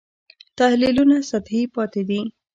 تحلیلونه سطحي پاتې دي.